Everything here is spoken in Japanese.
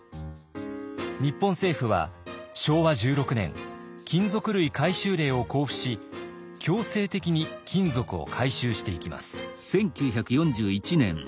日本政府は昭和１６年金属類回収令を公布し強制的に金属を回収していきます。